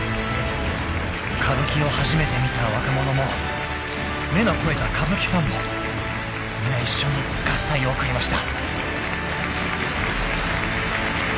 ［歌舞伎を初めて見た若者も目の肥えた歌舞伎ファンも皆一緒に喝采を送りました］